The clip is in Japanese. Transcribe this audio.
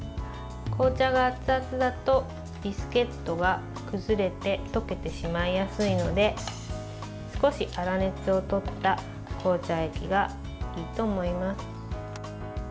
紅茶が熱々だとビスケットが崩れて溶けてしまいやすいので少し粗熱をとった紅茶液がいいと思います。